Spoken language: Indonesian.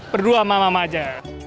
perdua sama mama aja